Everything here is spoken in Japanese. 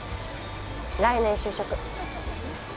来年就職。